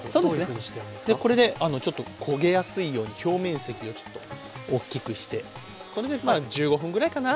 これでちょっと焦げやすいように表面積をちょっとおっきくしてこれでまあ１５分ぐらいかな。